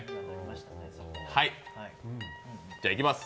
じゃあいきます。